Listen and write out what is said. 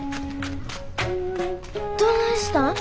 どないしたん？